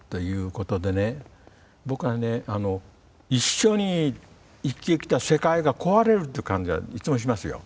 僕はね一緒に生きてきた世界が壊れるっていう感じがいつもしますよ。